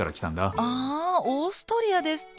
あオーストリアですって。